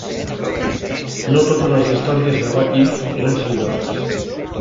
No totes les històries de "What if" eren serioses.